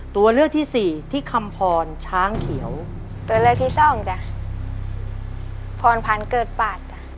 ตัวเลือกที่สี่ที่คำพรช้างเขียวตัวเลือกที่สองจ้ะพรพันธ์เกิดปาดจ้ะ